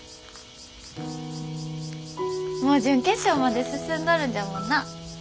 もう準決勝まで進んどるんじゃもんなあ。